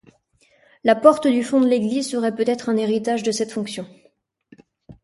La porte du fond de l’église serait peut-être un héritage de cette fonction.